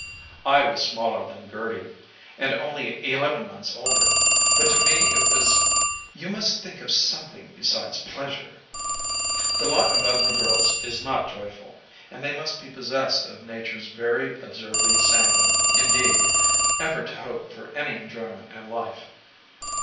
I was smaller than Gertie, and only eleven months older; but to me it was "You must think of something besides pleasure." The lot of ugly girls is not joyful, and they must be possessed of natures very absurdly sanguine indeed ever to hope for any enjoyment in life.